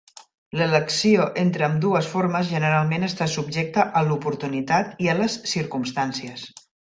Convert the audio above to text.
L'elecció entre ambdues formes generalment està subjecta a l'oportunitat i a les circumstàncies.